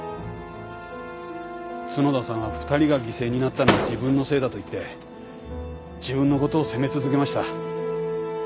角田さんは２人が犠牲になったのは自分のせいだと言って自分のことを責め続けました。